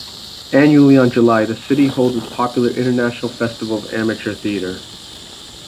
Annually, on July, the city holds its popular "International Festival of Amateur Theater".